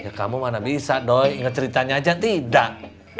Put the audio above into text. ya kamu mana bisa doy inget ceritanya aja tidak